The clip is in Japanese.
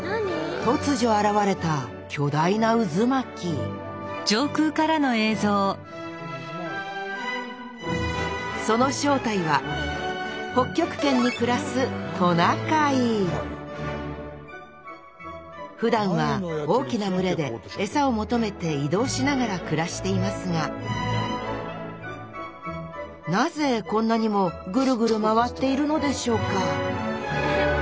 突如現れた巨大な渦巻きその正体は北極圏に暮らすトナカイふだんは大きな群れでエサを求めて移動しながら暮らしていますがなぜこんなにもぐるぐる回っているのでしょうか？